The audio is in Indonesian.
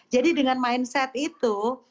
jadi dengan mindset itu